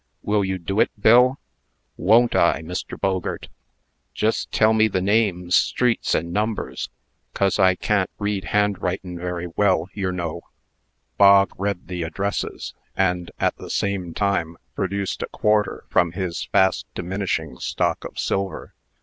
Will you do it, Bill?" "Won't I, Mr. Bogert? Jest tell me the names, streets, and numbers, cos I can't read handwritin' very well, yer know." Bog read the addresses, and, at the same time, produced a quarter from his fast diminishing stock of silver.